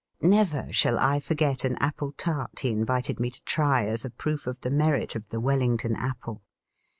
Never shall I forget an apple tart he invited me to try as a proof of the merit of the "Wellington" apple.